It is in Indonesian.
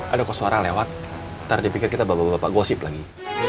ada kok suara lewat ntar dipikir kita bawa bawa bapak gosip lagi